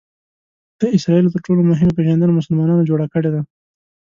د اسراییلو تر ټولو مهمه پېژندنه مسلمانانو جوړه کړې ده.